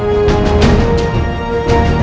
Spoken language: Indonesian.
eh ini orangnya